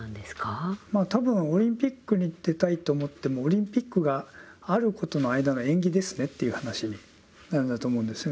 多分オリンピックに出たいと思ってもオリンピックがあることの間の縁起ですねっていう話なんだと思うんですよね。